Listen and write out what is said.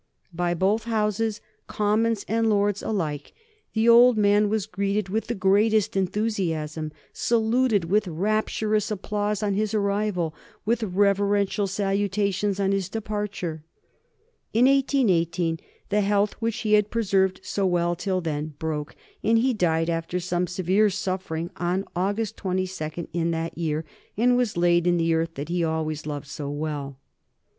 By both Houses, Commons and Lords alike, the old man was greeted with the greatest enthusiasm, saluted with rapturous applause on his arrival, with reverential salutations on his departure. In 1818 the health which he had preserved so well till then broke, and he died after some severe suffering on August 22 in that year, and was laid in the earth that he had always loved so well.